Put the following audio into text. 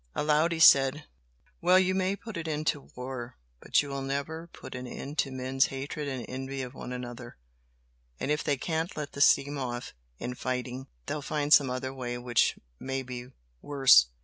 Aloud he said "Well, you may put an end to war, but you will never put an end to men's hatred and envy of one another, and if they can't 'let the steam off' in fighting, they'll find some other way which may be worse.